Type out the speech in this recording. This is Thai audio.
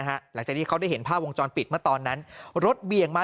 หลังจากที่เขาได้เห็นภาพวงจรปิดเมื่อตอนนั้นรถเบี่ยงมา